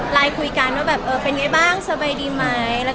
รายคุยกันว่าเป็นยังไงบ้าง